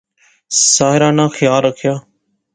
ساحرہ ناں خیال رکھیا